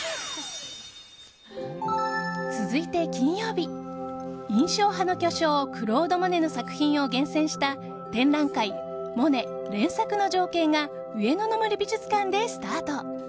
続いて金曜日、印象派の巨匠クロード・モネの作品を厳選した展覧会「モネ連作の情景」が上野の森美術館でスタート。